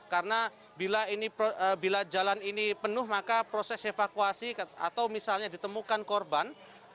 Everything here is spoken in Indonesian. karena bila jalan ini penuh maka proses evakuasi atau misalnya ditemukan korban